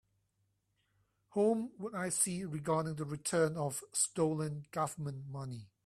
Whom would I see regarding the return of stolen Government money?